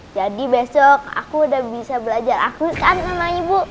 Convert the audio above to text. jadi besok aku udah bisa belajar akuit kan sama ibu